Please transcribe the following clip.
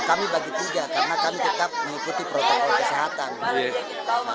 kami bagi tiga karena kami tetap mengikuti protokol kesehatan